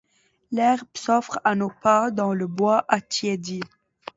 L'herbe s'offre à nos pas dans le bois attiédi